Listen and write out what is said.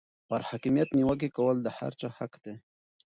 پر حاکمیت نیوکې کول د هر چا حق دی.